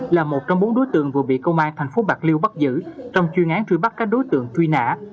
là một trong bốn đối tượng vừa bị công an thành phố bạc liêu bắt giữ trong chuyên án truy bắt các đối tượng truy nã